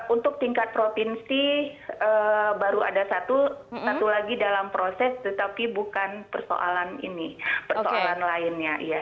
untuk tingkat provinsi baru ada satu satu lagi dalam proses tetapi bukan persoalan ini persoalan lainnya ya